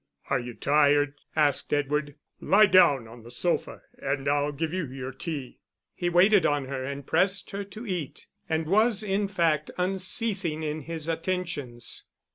"Are you tired?" asked Edward. "Lie down on the sofa and I'll give you your tea." He waited on her and pressed her to eat, and was, in fact, unceasing in his attentions.